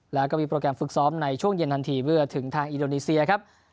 แล้วก็มีโปรแกรมฝึกซ้อมในช่วงเย็นทันทีเพื่อถึงทางอินโดนีเซียครับ